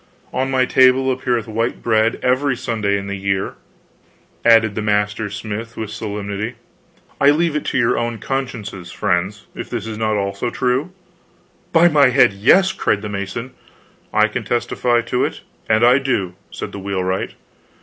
"On my table appeareth white bread every Sunday in the year," added the master smith, with solemnity. "I leave it to your own consciences, friends, if this is not also true?" "By my head, yes," cried the mason. "I can testify it and I do," said the wheelwright.